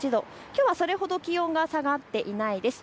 きょうはそれほど気温が下がっていないです。